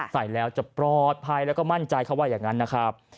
ใส่แล้วจะปลอดภัยแล้วก็มั่นใจเขาว่าอย่างนั้นนะครับ